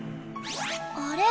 あれ？